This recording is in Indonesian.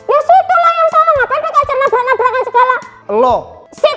udah lah kita lagi sibuk